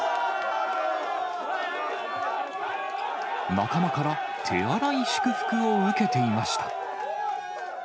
仲間から手荒い祝福を受けていました。